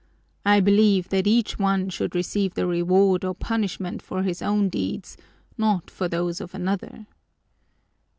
I believe that each one should receive the reward or punishment for his own deeds, not for those of another."